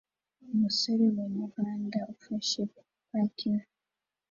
Umusore mumuhanda ufashe paki nto